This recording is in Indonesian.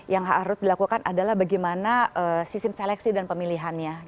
yang harus dilakukan adalah bagaimana sistem seleksi dan pemilihannya